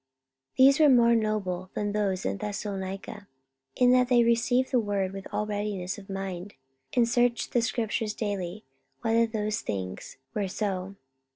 44:017:011 These were more noble than those in Thessalonica, in that they received the word with all readiness of mind, and searched the scriptures daily, whether those things were so.